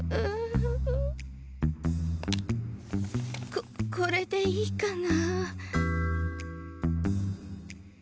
ここれでいいかな？